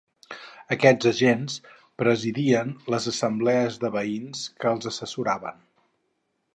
Aquests agents presidien les assemblees de veïns, que els assessoraven.